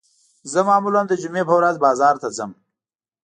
زه معمولاً د جمعې په ورځ بازار ته ځم